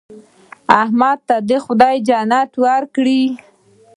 احمد ته خدای جنتونه ورکړي.